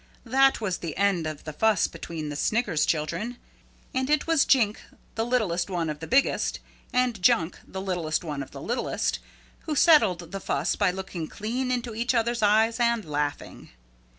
That was the end of the fuss between the Sniggers children and it was Jink, the littlest one of the biggest, and Junk, the littlest one of the littlest, who settled the fuss by looking clean into each other's eyes and laughing.